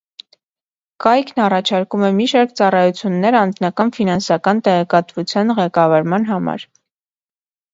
Կայքն առաջարկում է մի շարք ծառայություններ անձնական ֆինանսական տեղեկատվության ղեկավարման համար։